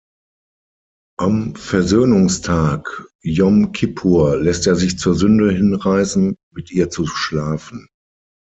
Am Versöhnungstag Jom Kippur, lässt er sich zur Sünde hinreißen, mit ihr zu schlafen.